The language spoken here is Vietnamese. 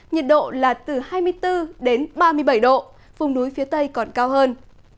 nhiệt độ là từ hai mươi bốn đến ba mươi bảy độ vùng núi phía tây còn cao hơn